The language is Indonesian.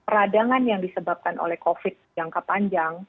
radangan yang disebabkan oleh covid sembilan belas jangka panjang